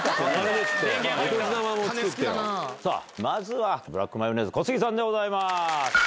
まずはブラックマヨネーズ小杉さんでございます。